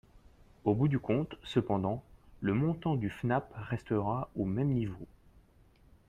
Au bout du compte, cependant, le montant du FNAP restera au même niveau.